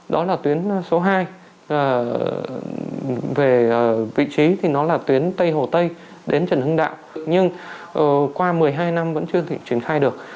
đó là tuyến số hai về vị trí thì nó là tuyến tây hồ tây đến trần hưng đạo nhưng qua một mươi hai năm vẫn chưa thể triển khai được